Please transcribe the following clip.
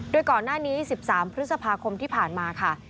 โดยก่อนหน้านี้๑๓พฤษภาคมที่ผ่านมาค่ะ